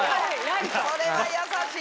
それは優しい。